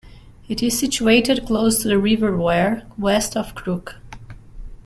It is situated close to the River Wear, west of Crook.